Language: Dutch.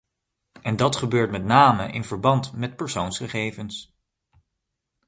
En dat gebeurt met name in verband met persoonsgegevens.